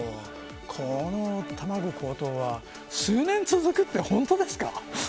この卵高騰は数年続くって本当ですか。